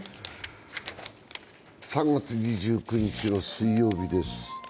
３月２９日の水曜日です。